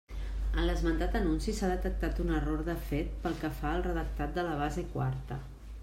En l'esmentat anunci s'ha detectat un error de fet pel que fa al redactat de la base quarta.